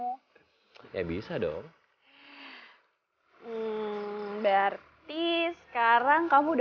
udah nggak cemburu lagi dong kenapa harus cemburu sekarang aku tahu kalau